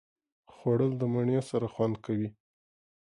خوړل د مڼې سره خوند کوي